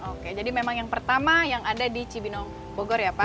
oke jadi memang yang pertama yang ada di cibinong bogor ya pak